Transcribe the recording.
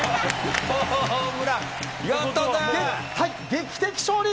劇的勝利！